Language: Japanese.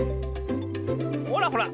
ほらほら